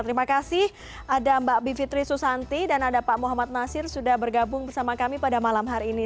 terima kasih ada mbak bivitri susanti dan ada pak muhammad nasir sudah bergabung bersama kami pada malam hari ini